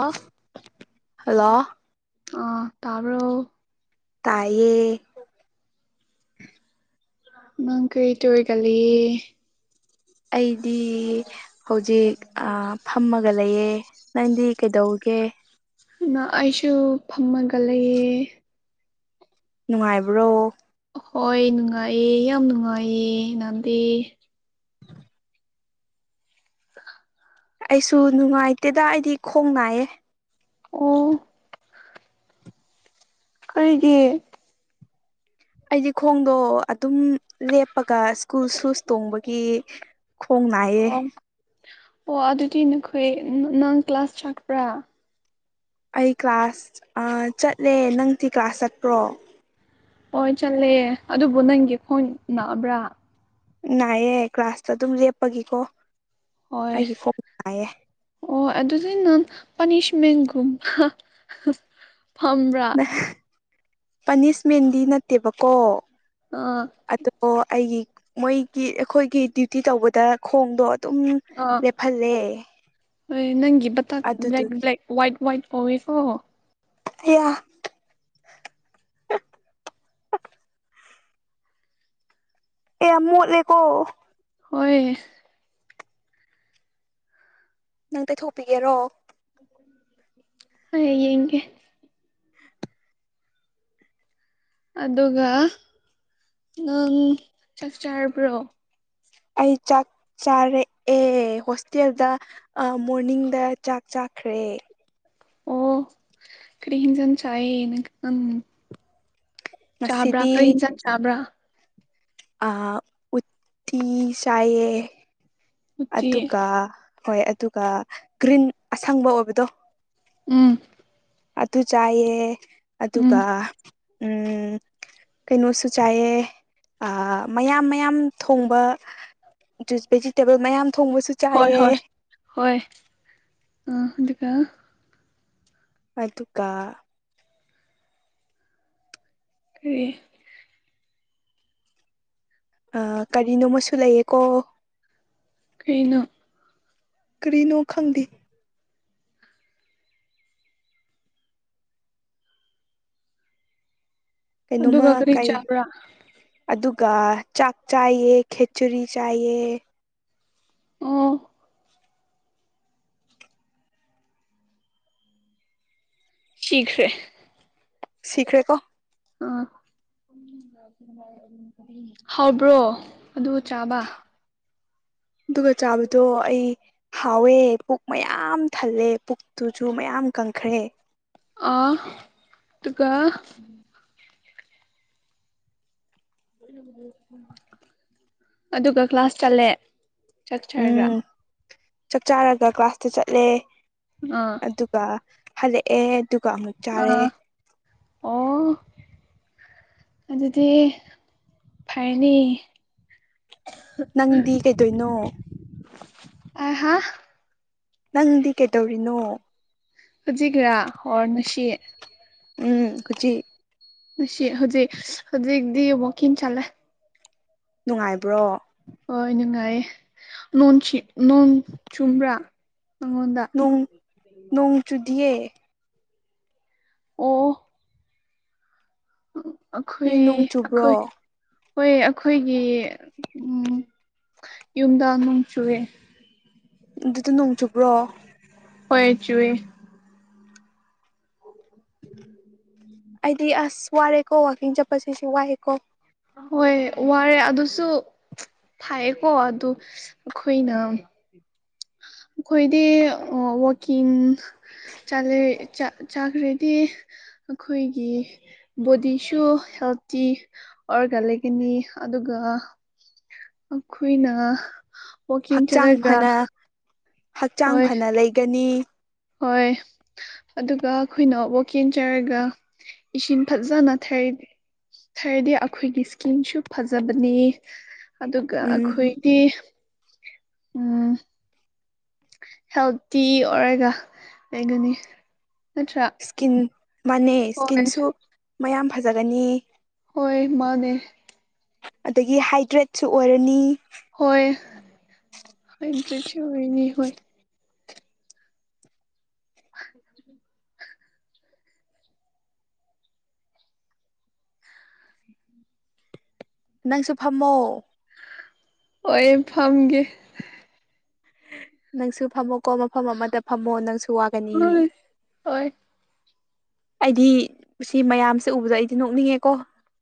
ꯑ ꯍꯜꯂꯣ ꯑ ꯇꯥꯕꯔꯣ ꯇꯌꯦ ꯅꯪ ꯀꯔꯤ ꯇꯣꯏꯒꯜꯂꯤ ꯑꯩꯗꯤ ꯍꯧꯖꯤꯛ ꯐꯝꯃꯒ ꯂꯩꯌꯦ ꯅꯪꯗꯤ ꯀꯩꯗꯧꯒꯦ ꯑꯗꯨ ꯑꯩꯁꯨ ꯐꯝꯃꯒ ꯂꯩꯌꯦ ꯅꯨꯡꯉꯥꯏꯕ꯭ꯔꯣ ꯍꯣꯏ ꯅꯨꯡꯉꯥꯏꯌꯦ ꯌꯥꯝ ꯅꯨꯡꯉꯥꯏꯌꯦ ꯅꯥꯟꯗꯤ ꯑꯩꯁꯨ ꯅꯨꯡꯉꯥꯏꯇꯦꯗ ꯑꯩꯗꯤ ꯈꯣꯡ ꯅꯥꯏꯌꯦ ꯑꯣ ꯈꯣꯏꯒꯤ ꯑꯩꯗꯤ ꯈꯣꯡꯗꯣ ꯑꯗꯨꯝ ꯂꯦꯞꯄꯒ ꯁ꯭ꯀꯨꯜ ꯁꯨꯁ ꯇꯣꯡꯕꯒꯤ ꯈꯣꯡꯅꯥꯏꯌꯦ ꯑꯣ ꯑꯣ ꯑꯗꯨꯗꯤ ꯅꯈꯣꯏ ꯅꯪ ꯀ꯭ꯂꯥꯁ ꯆꯠꯄ꯭ꯔꯥ ꯑꯩ ꯀ꯭ꯂꯥꯁ ꯆꯠꯂꯦ ꯅꯪꯗꯤ ꯀ꯭ꯂꯥꯁ ꯆꯠꯄ꯭ꯔꯣ ꯍꯣꯏ ꯆꯠꯂꯦ ꯑꯗꯨꯕꯨ ꯅꯪꯒꯤ ꯈꯣꯡ ꯅꯕ꯭ꯔꯥ ꯅꯥꯏꯑꯦ ꯀ꯭ꯂꯥꯁꯇ ꯑꯗꯨꯝ ꯂꯦꯞꯄꯒꯤꯀꯣ ꯍꯣꯏ ꯑꯩꯒꯤ ꯈꯣꯡ ꯅꯥꯏꯌꯦ ꯑꯣ ꯑꯗꯨꯗꯤ ꯅꯪ ꯄꯥꯅꯤꯁꯃꯦꯟꯒꯨꯝꯕ ꯐꯝꯕ꯭ꯔꯥ ꯄꯥꯅꯤꯁꯃꯦꯟꯗꯤ ꯅꯠꯇꯦꯕꯀꯣ ꯑꯥ ꯑꯗꯣ ꯑꯩꯒꯤ ꯃꯣꯏꯒꯤ ꯑꯩꯈꯣꯏꯒꯤ ꯗ꯭ꯌꯨꯇꯤ ꯇꯧꯕꯗ ꯈꯣꯡꯗꯣ ꯑꯗꯨꯝ ꯑꯥ ꯂꯦꯞꯍꯜꯂꯦ ꯍꯣꯏ ꯅꯪꯒꯤ ꯕꯇꯥꯛ ꯕ꯭ꯂꯦꯛ ꯑꯗꯨꯗꯨꯒꯤ ꯕ꯭ꯂꯦꯛ ꯋꯥꯏꯠ ꯋꯥꯏꯠ ꯀꯧꯋꯦꯀꯣ ꯑꯌꯥ ꯑꯦ ꯃꯣꯠꯂꯦꯀꯣ ꯍꯣꯏ ꯅꯪ ꯇꯩꯊꯣꯛꯄꯤꯒꯦꯔꯣ ꯎ [unintelligible] ꯍ ꯌꯦꯡꯒꯦ ꯑꯗꯨꯒ ꯅꯪ ꯆꯥꯛ ꯆꯔꯕ꯭ꯔꯣ ꯑꯩ ꯆꯥꯛ ꯆꯥꯔꯛꯑꯦ ꯍꯣꯁꯇꯦꯜꯗ ꯃꯣꯔꯅꯤꯡꯗ ꯆꯥꯛ ꯆꯥꯈ꯭ꯔꯦ ꯑꯣ ꯀꯔꯤꯍꯤꯖꯟ ꯆꯥꯏꯅ ꯎꯝ ꯆꯥꯕ꯭ꯔꯥ ꯉꯁꯤꯗꯤ ꯀꯩ ꯍꯤꯖꯥꯡ ꯆꯥꯕ꯭ꯔꯥ ꯑ ꯎꯠꯇꯤ ꯆꯥꯏꯌꯦ ꯎꯇꯤ ꯑꯗꯨꯒ ꯍꯣꯏ ꯑꯗꯨꯒ ꯒ꯭ꯔꯤꯟ ꯑꯁꯪꯕ ꯑꯣꯏꯕꯗꯣ ꯎꯝ ꯑꯗꯨ ꯆꯥꯏꯌꯦ ꯑꯗꯨꯒ ꯎꯝ ꯎꯝ ꯀꯩꯅꯣꯁꯨ ꯆꯥꯏꯌꯦ ꯃꯌꯥꯝ ꯃꯌꯥꯝ ꯊꯣꯡꯕ ꯖꯨ ꯚꯦꯖꯤꯇꯦꯕꯜ ꯃꯌꯥꯝ ꯊꯣꯡꯕꯁꯨ ꯍꯣꯏ ꯆꯥꯏꯌꯦ ꯍꯣꯏ ꯍꯣꯏ ꯑ ꯑꯗꯨꯒꯀ ꯑꯗꯨꯒ ꯀ ꯀꯔꯤꯅꯣꯃꯁꯨ ꯂꯩꯌꯦ ꯀꯣ ꯀꯩꯅꯣ ꯀꯔꯤꯅꯣ ꯈꯪꯗꯦ ꯀꯩꯅꯣꯝꯃ ꯑꯗꯨꯒ ꯀꯔꯤ ꯀꯩ ꯆꯥꯕ꯭ꯔꯥ ꯑꯗꯨꯒ ꯆꯥꯛ ꯆꯥꯏꯑ ꯈꯦꯆꯔꯤ ꯆꯥꯏꯑ ꯑꯣ ꯁꯤꯈ꯭ꯔꯦ ꯁꯤꯈ꯭ꯔꯦ ꯀꯣ ꯑꯥ ꯍꯥꯎꯕ꯭ꯔꯣ ꯑꯗꯨ ꯆꯥꯕ ꯑꯗꯨꯒ ꯆꯥꯕꯗꯣ ꯑꯩ ꯍꯥꯎꯋꯦ ꯄꯨꯛ ꯃꯌꯥꯝ ꯊꯜꯂꯦ ꯄꯨꯛꯇꯨꯁꯨ ꯃꯌꯥꯝ ꯀꯪꯈ꯭ꯔꯦ ꯑ ꯑꯗꯨꯒ ꯑꯗꯨꯒ ꯀ꯭ꯂꯥꯁ ꯆꯠꯂꯦ ꯆꯠꯆꯔꯒ ꯎꯝ ꯆꯥꯛ ꯆꯥꯔꯒ ꯀ꯭ꯂꯥꯁꯇ ꯆꯠꯂꯦ ꯑ ꯑꯗꯨꯒ ꯍꯜꯂꯛꯑꯦ ꯑꯗꯨꯒ ꯑꯃꯨꯛ ꯆꯥꯔꯦ ꯑꯥ ꯑꯣ ꯑꯗꯨꯗꯤ ꯐꯔꯅꯤ ꯅꯪꯗꯤ ꯀꯩꯗꯣꯏꯅꯣ ꯑꯍꯥ ꯅꯪꯗꯤ ꯀꯩꯗꯧꯔꯤꯅꯣ ꯍꯧꯖꯤꯒꯔꯥ ꯑꯣꯔ ꯁꯤꯠ ꯎꯝ ꯈꯨꯆꯤ ꯉꯁꯤ ꯍꯧꯖꯤꯛ ꯍꯧꯖꯤꯛꯇꯤ ꯨꯀꯤꯡ ꯆꯠꯂꯦ ꯅꯨꯡꯉꯥꯏꯕ꯭ꯔꯣ ꯍꯣꯏ ꯅꯨꯡꯉꯥꯏꯌꯦ ꯅ ꯅꯣꯡ ꯆꯨꯝꯕ꯭ꯔꯥ ꯅꯪꯉꯣꯟꯗ ꯣꯡ ꯅꯣꯡ ꯆꯨꯗꯤꯌꯦꯦ ꯑꯣ ꯎ ꯑꯈꯣꯏ ꯅꯣꯏ ꯅꯣꯡ ꯑꯈꯣꯏ ꯆꯨꯕ꯭ꯔꯣ ꯍꯣꯏ ꯑꯩꯈꯣꯏꯒꯤ ꯎ ꯌꯨꯝꯗ ꯑꯃ ꯅꯣꯡ ꯆꯨꯋꯦ ꯑꯗꯨꯗ ꯅꯣꯡ ꯆꯨꯕ꯭ꯔꯣ ꯍꯣꯏ ꯆꯨꯋꯦ ꯎꯝ [inaudible] ꯑꯩꯗꯤ ꯑꯁ ꯋꯥꯔꯦꯀꯣ ꯋꯥꯛꯀꯤꯡ ꯆꯠꯄꯁꯤꯁꯨ ꯋꯥꯑꯦꯀꯣ ꯍꯣꯏ ꯋꯥꯔꯦ ꯑꯗꯨꯁꯨ ꯐꯥꯏꯌꯦꯀꯣ ꯑꯗꯨ ꯑꯩꯈꯣꯏꯅ ꯑꯩꯈꯣꯏꯗꯤ ꯋꯥꯛꯀꯤꯡ ꯆꯥꯈ꯭ꯔꯗꯤ ꯑꯩꯈꯣꯏꯒꯤ ꯕꯣꯗꯤꯁꯨ ꯍꯦꯜꯇꯤ ꯑꯣꯔꯒ ꯂꯩꯒꯅꯤ ꯑꯗꯨꯒ ꯑꯩꯈꯣꯏꯅ ꯋꯥꯛꯀꯤꯡ ꯍꯛꯆꯥꯡ ꯆꯠꯂꯒ ꯐꯅ ꯍꯛꯆꯥꯡ ꯍꯣꯏ ꯐꯅ ꯂꯩꯒꯅꯤ ꯍꯣꯏ ꯑꯗꯨꯒ ꯑꯩꯈꯣꯏꯅ ꯋꯥꯛꯀꯤꯡ ꯆꯠꯔꯒ ꯏꯁꯤꯡ ꯐꯖꯅ ꯊꯥꯛ ꯍꯥꯏꯗꯤ ꯑꯩꯈꯣꯏꯒꯤ ꯏꯁꯀꯤꯟꯁꯨ ꯐꯖꯕꯅꯤ ꯑꯗꯨꯒ ꯎꯝ ꯑꯩꯈꯣꯏꯗꯤ ꯎꯝ ꯍꯦꯜꯇꯤ ꯑꯣꯏꯔꯒ ꯂꯩꯒꯅꯤ ꯅꯠꯇ꯭ꯔꯥ ꯁꯀꯤꯟ ꯃꯥꯟꯅꯩ ꯍꯣꯏ ꯁ꯭ꯀꯤꯟꯁꯨ ꯃꯌꯥꯝ ꯐꯖꯒꯅꯤ ꯍꯣꯏ ꯃꯥꯅꯦ ꯑꯗꯒꯤ ꯍꯥꯏꯗ꯭ꯔꯦꯠꯁꯨ ꯑꯣꯏꯔꯅꯤ ꯍꯣꯏ ꯍꯣꯏꯟꯇ꯭ꯔꯦꯁꯨ ꯑꯣꯏꯅꯤ ꯍꯣꯏ ꯎ [inaudible] ꯅꯪꯁꯨ ꯐꯝꯃꯣ ꯍꯣꯢ ꯐꯝꯒꯦ ꯅꯪꯁꯨ ꯐꯝꯃꯣꯀꯣ ꯃꯐꯝ ꯑꯃꯗ ꯐꯝꯃꯣ ꯅꯪꯁꯨ ꯋꯥꯒꯅꯤ ꯍꯣꯏ ꯍꯣꯏ ꯑꯩꯗꯤ ꯁꯤ ꯃꯌꯥꯝꯁꯦ ꯎꯕꯗ ꯑꯩꯗꯤ ꯅꯣꯛꯅꯤꯡꯉꯦꯀꯣ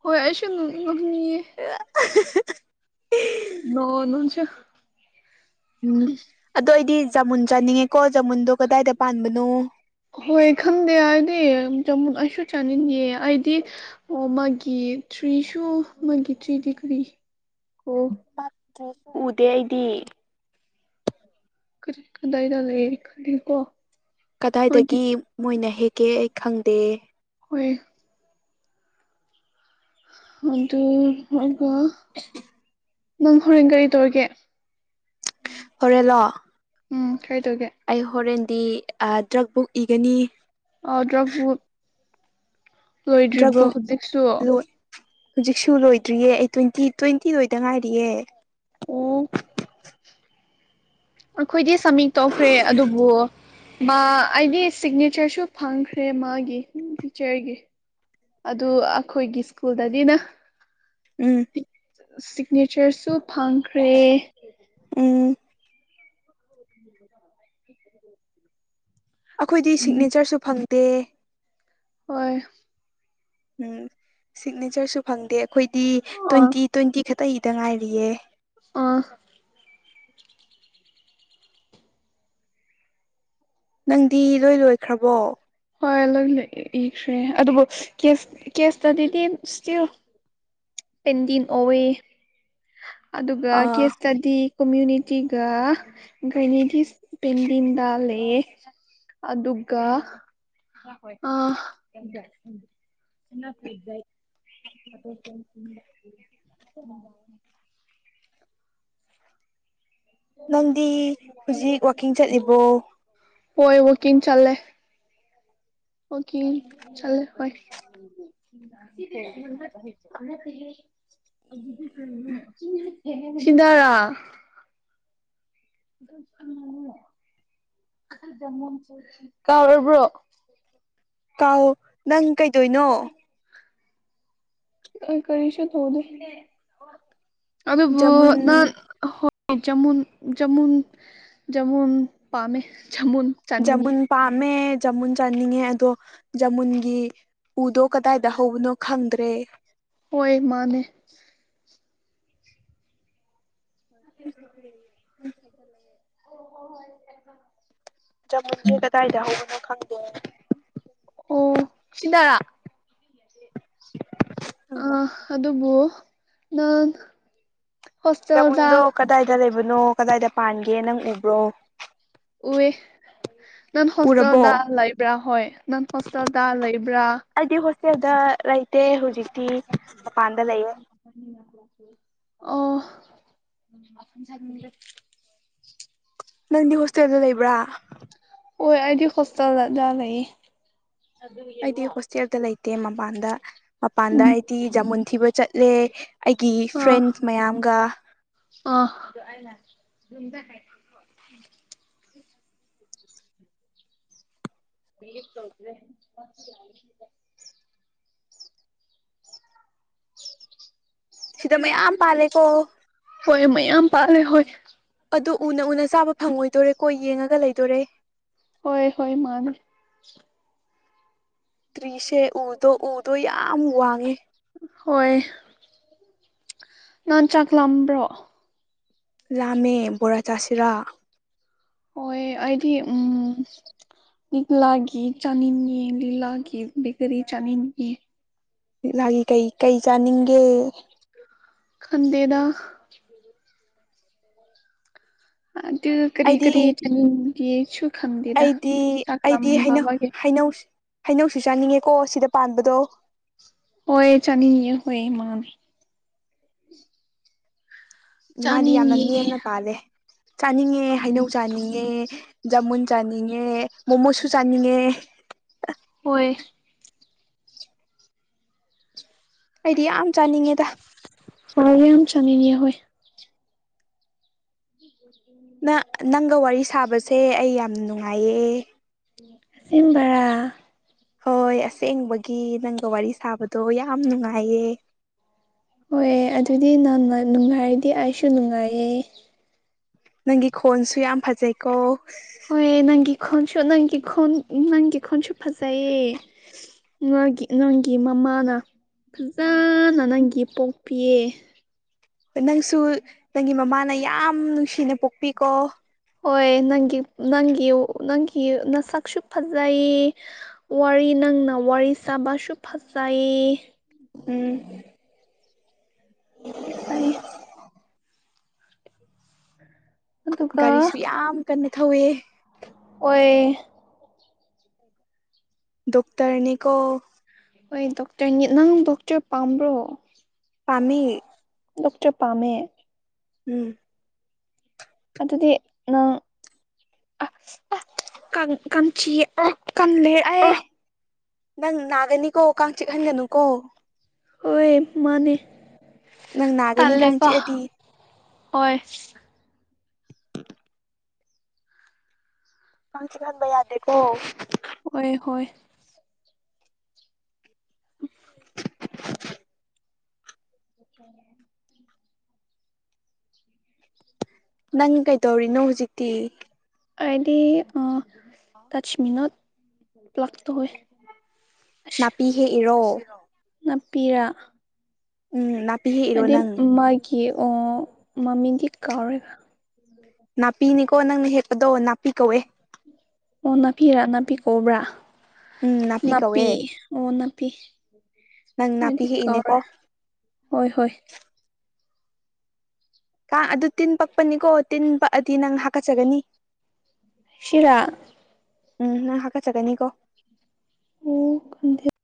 ꯍꯣꯏ ꯑꯩꯁꯨ ꯅꯣꯛꯅꯤꯡꯉꯝꯃꯤ ꯑ [inaudible] ꯅꯣꯛꯑꯣ ꯅꯪꯁꯨ ꯎꯝ ꯑꯗꯣ ꯑꯩꯗꯤ ꯖꯃꯨꯟ ꯆꯥꯅꯤꯡꯉꯦꯀꯣ ꯖꯃꯨꯟꯗꯣ ꯀꯗꯥꯏꯗ ꯄꯥꯟꯕꯅꯣ ꯍꯣꯏ ꯈꯪꯗꯦ ꯍꯥꯏꯗꯤ ꯑꯩꯁꯨ ꯆꯥꯅꯤꯡꯉꯦ ꯑꯩꯗꯤ ꯑꯣ ꯃꯥꯒꯤ ꯇ꯭ꯔꯤꯁꯨ ꯃꯥ ꯊꯔꯤꯗꯤ ꯒꯔꯤ ꯄꯠꯇ꯭ꯔꯁꯨ ꯎꯗꯦ ꯑꯩꯗꯤ ꯀ ꯀꯗꯥꯏꯗ ꯂꯩ ꯀꯣ ꯀꯗꯥꯏꯗꯒꯤ ꯃꯣꯏꯅ ꯍꯦꯛꯀꯦ ꯑꯩ ꯈꯪꯗꯦ ꯍꯣꯢ ꯑꯗꯨ ꯑꯗꯨꯒ ꯅꯪ ꯍꯣꯔꯦꯟ ꯀꯔꯤ ꯇꯧꯔꯤꯒꯦ ꯍꯣꯔꯦꯜꯂꯣ ꯎꯝ ꯀꯩ ꯇꯧꯒꯦ ꯑꯩ ꯍꯣꯔꯦꯟꯗꯤ ꯗ꯭ꯔꯛ ꯕꯨꯛ ꯏꯒꯅꯤ ꯑꯣ ꯗ꯭ꯔꯕꯨꯛ ꯗ꯭ꯔꯛꯕꯨꯛ ꯍꯧꯖꯤꯛꯁꯨ ꯂꯣꯏ ꯍꯧꯖꯤꯛꯁꯨ ꯂꯣꯏꯗ꯭ꯔꯤꯌꯦ ꯑꯩ ꯇ꯭ꯋꯦꯟꯇꯤ ꯇ꯭ꯋꯦꯟꯇꯤ ꯂꯣꯏꯗ ꯉꯥꯏꯔꯤꯌꯦ ꯑꯣ ꯑꯩꯈꯣꯏꯗꯤ ꯁꯃꯤꯡ ꯇꯧꯈ꯭ꯔꯦ ꯑꯗꯨꯕꯨ ꯑꯩꯗꯤ ꯁꯤꯒꯅꯦꯆꯔꯁꯨ ꯐꯪꯈ꯭ꯔꯦ ꯃꯥꯒꯤ ꯇꯤꯆꯔꯒꯤ ꯑꯗꯨ ꯑꯩꯈꯣꯏꯒꯤ ꯁ꯭ꯀꯨꯜꯗꯗꯤꯅ ꯎꯝ ꯁꯤꯒꯅꯦꯆꯔꯁꯨ ꯐꯪꯈ꯭ꯔꯦ ꯎꯝ [unintelligible] ꯑꯩꯈꯣꯏꯗꯤ ꯎꯝ ꯁꯤꯒꯅꯦꯆꯔꯁꯨ ꯐꯪꯗꯦ ꯍꯣꯏ ꯎꯝ ꯁꯤꯒꯅꯦꯆꯔꯁꯨ ꯐꯪꯗꯦ ꯑꯩꯈꯣꯏꯗꯤ ꯑ ꯇ꯭ꯋꯦꯟꯇꯤ ꯇ꯭ꯋꯦꯟꯇꯤ ꯈꯛꯇꯒꯤꯗ ꯉꯥꯏꯔꯤꯌꯦ ꯑꯣ ꯅꯪꯗꯤ ꯂꯣꯏ ꯂꯣꯏꯈ꯭ꯔꯕꯣ ꯍꯣꯏ ꯂꯣꯏ ꯏꯈ꯭ꯔꯦ ꯑꯗꯨꯕꯨ ꯀꯦꯁ ꯀꯦꯁꯇꯗꯤꯗꯤ ꯁꯇꯤꯜ ꯄꯦꯟꯗꯤꯡ ꯑꯣꯋꯦ ꯑꯗꯨꯒ ꯑꯥ ꯀꯦꯁꯇꯗꯤ ꯀꯃ꯭ꯨꯅꯤꯇꯤꯒ ꯒꯥꯏꯅꯤꯗꯤꯁ ꯄꯦꯟꯗꯤꯟꯗꯥ ꯂꯩꯌꯦ ꯑꯗꯨꯒ ꯑ [unintelligible] [inaudible] ꯅꯪꯗꯤ ꯍꯧꯖꯤꯛ ꯋꯥꯛꯀꯤꯡ ꯆꯠꯂꯤꯕꯣ ꯍꯣꯏ ꯋꯥꯀꯤꯡꯡ ꯆꯜꯂꯦ ꯋꯥꯀꯤꯡ ꯆꯠꯂꯦ ꯍꯣꯏ [unintelligible] ꯁꯤꯗꯔꯥ ꯀꯥꯎꯔꯕ꯭ꯔꯣ ꯀꯥꯎ ꯅꯪ ꯀꯩꯗꯣꯏꯅꯣ ꯈꯣꯏ ꯀꯔꯤꯁꯨ ꯇꯧꯗꯦ ꯑꯗꯨꯕꯨ ꯖꯃꯨꯟ ꯅꯪ ꯖꯃꯨꯟ ꯖꯃꯨꯟ ꯖꯃꯨꯟ ꯄꯥꯝꯃꯦ ꯖꯃꯨꯟ ꯆꯥꯅꯤꯡꯉꯤ ꯖꯃꯨꯟ ꯄꯥꯝꯃꯦ ꯖꯃꯨꯟ ꯆꯥꯅꯤꯡꯉꯦ ꯑꯗꯣ ꯖꯃꯨꯟꯒꯤ ꯎꯗꯣ ꯀꯗꯥꯏꯗ ꯍꯧꯕꯅꯣ ꯈꯪꯗ꯭ꯔꯦ ꯑꯣꯏ ꯃꯥꯅꯦ [unintelligible] ꯖꯃꯨꯟꯁꯦ ꯀꯗꯥꯏꯗ ꯍꯧꯕꯅꯣ ꯈꯪꯗꯦ ꯑꯣ ꯁꯤꯗꯥꯔꯥ ꯑ ꯑꯗꯨꯕꯨ ꯅꯥꯟ ꯆꯃꯨꯟꯗꯣ ꯀꯗꯥꯏꯗ ꯂꯩꯕꯅꯣ ꯀꯗꯥꯏꯗ ꯄꯥꯟꯒꯦ ꯅꯪ ꯎꯕ꯭ꯔꯣ ꯎꯏ ꯅꯪ ꯍꯣꯁꯇꯦꯜꯗ ꯎꯔꯕꯣ ꯂꯩꯕ꯭ꯔꯥ ꯍꯣꯏ ꯅꯪ ꯍꯣꯁꯇꯦꯜꯗ ꯂꯩꯕ꯭ꯔꯥ ꯑꯩꯗꯤ ꯍꯣꯁꯇꯦꯜꯗ ꯂꯩꯇꯦ ꯍꯧꯖꯤꯛꯇꯤ ꯃꯄꯥꯟꯗ ꯂꯩꯌꯦ ꯑꯣ ꯅꯪꯗꯤ ꯍꯣꯁꯇꯦꯜꯗ ꯂꯩꯕ꯭ꯔꯥ ꯍꯣꯏ ꯑꯩꯗꯤ ꯍꯣꯁꯇꯦꯜꯖ ꯂꯩꯌꯦ ꯑꯩꯗꯤ ꯍꯣꯁꯇꯦꯜꯗ ꯂꯩꯇꯦ ꯃꯄꯥꯟꯗ ꯃꯄꯥꯟꯗ ꯎꯝ ꯑꯩꯗꯤ ꯖꯃꯨꯟ ꯊꯤꯕ ꯆꯠꯂꯦ ꯑꯩꯒꯤ ꯐ꯭ꯔꯦꯟ ꯃꯌꯥꯝꯒ ꯑꯣ [unintelligible] [unintelligible] ꯁꯤꯗ ꯃꯌꯥꯝ ꯄꯥꯜꯂꯦꯀꯣ ꯍꯣꯏ ꯃꯌꯥꯝ ꯄꯥꯜꯂꯦ ꯍꯣꯏ ꯑꯗꯨ ꯎꯅ ꯎꯅ ꯆꯥꯕ ꯐꯪꯉꯣꯏꯗꯣꯔꯦ ꯀꯣ ꯌꯦꯡꯉꯒ ꯂꯩꯗꯣꯔꯦ ꯍꯣꯏ ꯍꯣꯏ ꯃꯥꯅꯦ ꯇ꯭ꯔꯤꯁꯦ ꯎꯗꯣ ꯎꯗꯣ ꯌꯥꯝ ꯋꯥꯡꯉꯦ ꯍꯣꯏ ꯅꯍꯥꯟ ꯆꯥꯛꯂꯝꯥꯝꯕ꯭ꯔꯣ ꯂꯥꯝꯃꯦ ꯕꯣꯔꯥ ꯆꯥꯁꯤꯔꯥ ꯍꯣꯏ ꯑꯩꯗꯤ ꯎꯝ ꯂꯤꯛꯂꯥꯒꯤ ꯆꯥꯅꯤꯡꯉꯤ ꯂꯤꯛꯂꯥꯒꯤ ꯕꯦꯒꯔꯤ ꯆꯥꯅꯤꯡꯉꯤ ꯂꯤꯛꯂꯥꯒꯤ ꯀꯩ ꯀꯩ ꯆꯥꯅꯤꯡꯒꯦ ꯈꯟꯗꯦꯗ ꯑꯗꯨ ꯀꯔꯤ ꯑꯩꯗꯤ ꯀꯔꯤ ꯆꯅꯤꯡ ꯌꯦꯁꯨ ꯑꯩꯗꯤ ꯑꯩꯗꯤ ꯍꯩꯅꯧ ꯍꯩꯅꯧ ꯍꯩꯅꯧꯁꯨ ꯆꯥꯅꯤꯡꯉꯦꯀꯣ ꯁꯤꯗ ꯄꯥꯟꯕꯗꯣ ꯍꯣꯏ ꯆꯥꯅꯤꯡꯌꯦ ꯍꯣꯏ ꯃꯥꯅꯦ ꯃꯥꯗꯤ ꯌꯥꯝꯅ ꯆꯥꯅꯤꯡꯉꯦ ꯅꯦꯝꯅ ꯄꯥꯜꯂꯦ ꯆꯥꯅꯤꯡꯉꯦ ꯎꯝ ꯍꯩꯅꯧ ꯆꯥꯅꯤꯡꯉꯦ ꯖꯥꯃꯨꯟ ꯆꯥꯅꯤꯡꯉꯦ ꯃꯣꯃꯣꯁꯨ ꯆꯥꯅꯤꯡꯉꯦ ꯑꯣꯏꯣꯏ ꯑꯩꯗꯤ ꯌꯥꯝ ꯆꯥꯅꯤꯡꯉꯦꯗ ꯍꯒ ꯌꯥꯝ ꯆꯥꯅꯤꯡꯅꯤ ꯍꯣꯏ ꯎ ꯅ ꯅꯪꯒ ꯋꯥꯔꯤ ꯁꯥꯕꯁꯦ ꯑꯩ ꯌꯥꯝ ꯅꯨꯡꯉꯥꯏꯌꯦ ꯁꯤꯟꯕꯔꯥ ꯍꯣꯏ ꯑꯁꯦꯡꯕꯒꯤ ꯅꯪꯒ ꯋꯥꯔꯤ ꯁꯥꯕꯗꯣ ꯌꯥꯝ ꯅꯨꯡꯉꯥꯏꯌꯦ ꯍꯣꯏꯑ ꯑꯗꯨꯗꯤ ꯅ ꯅꯨꯡꯉꯥꯏꯔꯗꯤ ꯑꯩꯁꯨ ꯅꯨꯡꯉꯥꯏꯌꯦ ꯅꯪꯒꯤ ꯈꯣꯟꯁꯨ ꯌꯥꯝ ꯐꯖꯩꯀꯣ ꯍꯣꯏ ꯅꯪꯒꯤ ꯈꯣꯟꯁꯨ ꯅꯪꯒꯤ ꯈꯣꯟ ꯅꯪꯒꯤ ꯈꯣꯟꯁꯨ ꯐꯖꯩꯌꯦ ꯅꯒꯤ ꯅꯪꯒꯤ ꯃꯃꯥꯅ ꯐꯖꯅ ꯅꯪꯒꯤ ꯄꯣꯛꯄꯤꯑ ꯅꯪꯁꯨ ꯅꯪꯒꯤ ꯃꯃꯥꯅ ꯌꯥꯝ ꯅꯨꯡꯁꯤꯅ ꯄꯣꯛꯄꯤꯀꯣ ꯍꯣꯏ ꯅꯪꯒꯤ ꯅꯪꯒꯤ ꯅꯪꯒꯤ ꯅꯁꯛꯁꯨ ꯐꯖꯩ ꯋꯥꯔꯤ ꯅꯪꯅ ꯋꯥꯔꯤ ꯁꯥꯕꯁꯨ ꯐꯖꯩ ꯎꯝ ꯐꯖꯩ UNINTELLIGIBLE ꯑꯗꯨꯒ ꯒꯥꯔꯤꯁꯨ ꯌꯥꯝ ꯀꯟꯅ ꯊꯧꯋꯦ ꯑꯣꯏ ꯗꯣꯛꯇꯔꯅꯤꯀꯣ ꯍꯣꯏ ꯗꯣꯛꯇꯔꯅꯤ ꯅꯪ ꯗꯣꯛꯇꯔ ꯄꯥꯝꯕ꯭ꯔꯣ ꯄꯃꯤ ꯂꯣꯛꯇꯔ ꯄꯃꯦ ꯎꯝ ꯑꯗꯨꯗꯤ ꯅꯪ ꯀꯆꯤ ꯀꯜꯂꯦ ꯑꯦ ꯅꯪ ꯅꯥꯒꯅꯤꯀꯣ ꯀꯥꯡ ꯆꯤꯛꯍꯟꯒꯅꯨꯀꯣ ꯑꯣꯌꯦ ꯃꯥꯅꯦꯅꯦ ꯅꯪ ꯅꯥꯒꯅꯤ ꯇꯜꯦ ꯀꯥꯡ ꯀ ꯆꯤꯛꯑꯗꯤ ꯑꯣꯏ ꯃꯝꯁꯤ ꯂꯪꯕꯩ ꯌꯥꯗꯦꯀꯣ ꯍꯣꯏ ꯍꯣꯏ UNINTELLIGIBLE UNINTELLIGIBLE ꯅꯪ ꯀꯩꯗꯧꯔꯤꯅꯣ ꯍꯧꯖꯤꯛꯇꯤ ꯑꯩꯗꯤ ꯇꯆꯃꯤꯟ ꯅꫭꯠ ꯄ꯭ꯂꯥꯛ ꯇꯧꯑ ꯅꯥꯄꯤ ꯍꯦꯛ ꯏꯔꯣ ꯅꯥꯄꯤꯔꯥ ꯎꯝ ꯍꯦꯛꯏꯔꯣ ꯍꯥꯏꯗꯤ ꯅꯪ ꯃꯥꯒꯤ ꯑꯣ ꯃꯃꯤꯗꯤ ꯀꯥꯎꯔꯦꯕ ꯅꯥꯄꯤꯅꯤꯀꯣ ꯅꯪꯅ ꯍꯦꯛ ꯄꯗꯣ ꯅꯥꯄꯤ ꯀꯧꯋꯦ ꯑꯣ ꯅꯥꯄꯤꯔꯥ ꯅꯥꯄꯤ ꯀꯧꯕ꯭ꯔꯥ ꯎꯝ ꯅꯥꯄꯤ ꯀꯧꯋꯦ ꯑꯣ ꯅꯄꯤ ꯅꯪ ꯅꯥꯄꯤ ꯍꯗꯤ ꯀꯔ ꯍꯦꯛꯏꯅꯦꯀꯣ ꯍꯣꯏ ꯍꯣꯏ ꯀꯥ ꯑꯗꯨ ꯇꯤꯟ ꯄꯛꯄꯅꯤꯀꯣ ꯇꯤꯟ ꯄꯛꯑꯗꯤ ꯅꯪ ꯍꯥꯀꯠꯆꯒꯅꯤ ꯁꯤꯔꯥ ꯎꯝ ꯅꯪ ꯍꯥꯀꯠꯆꯒꯅꯤꯀꯣ ꯑꯣ ꯀꯗ